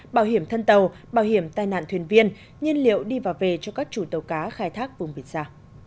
bảo hiểm thân tàu bảo hiểm tai nạn thuyền viên nhiên liệu đi và về cho các chủ tàu cá khai thác vùng biển xa